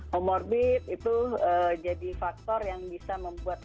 comorbid itu jadi faktor yang bisa membuat